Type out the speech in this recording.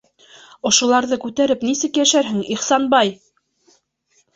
Ошоларҙы күтәреп, нисек йәшәрһең, Ихсанбай?!